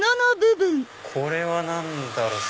これは何だろう？